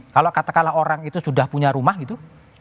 kalau katakanlah orang itu sudah punya rumah gitu